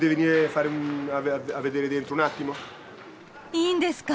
いいんですか？